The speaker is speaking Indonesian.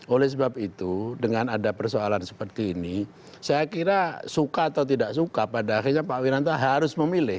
oleh sebab itu dengan ada persoalan seperti ini saya kira suka atau tidak suka pada akhirnya pak wiranto harus memilih